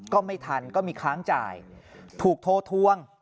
ก็ไม่ทันก็มีค้างจ่ายถูกโทรทวง